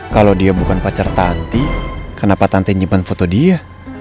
kalau dia bukan pacar tanti kenapa tante nyimpan foto dia